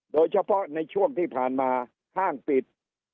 โดยเฉพาะในช่วงที่ผ่านมาห้างปิด